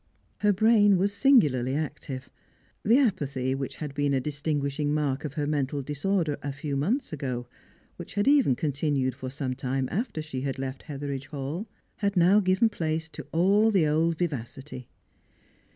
Her brain was singularly active; the apathy which had been a distinguishing mark of her mental disorder a few months ago, which had even continued for some time after she had left Hetheridge Hall, had now given place to all the old vivacity.